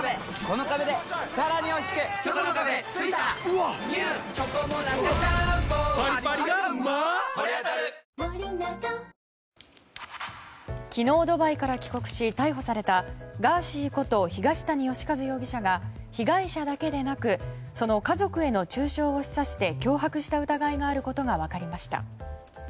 わかるぞ昨日、ドバイから帰国し逮捕されたガーシーこと東谷義和容疑者が被害者だけでなくその家族への中傷を示唆して脅迫した疑いがあることが分かりました。